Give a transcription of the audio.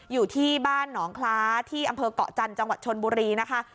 อยู่ที่บ้านหนองคล้าที่อำเภอกเกาะจันทร์จังหวัดชนบุรีนะคะ